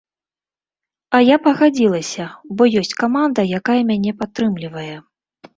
А я пагадзілася, бо ёсць каманда, якая мяне падтрымлівае.